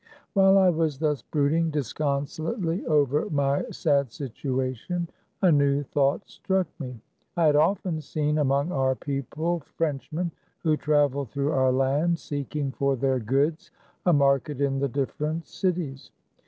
While I was thus brooding disconsolately over my sad situation, a new thought struck me. I had often seen among our people Frenchmen who traveled through our land, seeking for their goods a market in the different cities.